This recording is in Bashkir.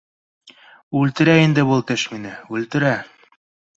Үлтерә инде был теш мине, үлтерә!